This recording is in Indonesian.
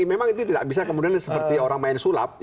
memang itu tidak bisa kemudian seperti orang main sulap